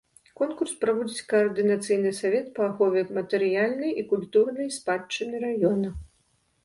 Конкурс праводзіць каардынацыйны савет па ахове матэрыяльнай і культурнай спадчыны раёна.